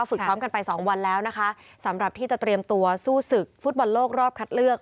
ฝึกซ้อมกันไปสองวันแล้วนะคะสำหรับที่จะเตรียมตัวสู้ศึกฟุตบอลโลกรอบคัดเลือก